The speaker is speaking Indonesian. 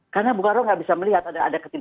karena bukaro tidak bisa melihat ada ketidaksihimu